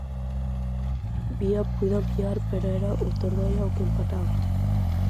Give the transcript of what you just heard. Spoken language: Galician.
Vía puido ampliar pero era o Tordoia o que empataba.